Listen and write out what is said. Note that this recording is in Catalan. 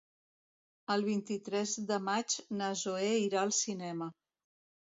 El vint-i-tres de maig na Zoè irà al cinema.